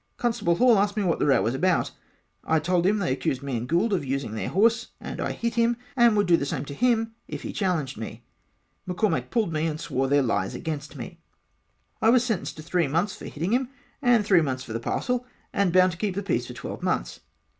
Constable Hall asked me what the row was about I told him they accused me and Gould of using their horse and I hit him and I would do the same to him if he challenged me McCormack pulled me and swore their lies against me I was sentenced to three months for hitting him and three months for the parcel and bound to keep the peace for 12 months.